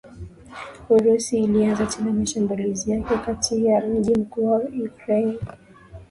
Urusi ilianza tena mashambulizi yake kati kati ya mji mkuu wa Ukraine